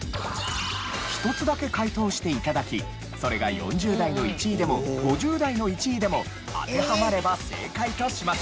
１つだけ解答して頂きそれが４０代の１位でも５０代の１位でも当てはまれば正解とします。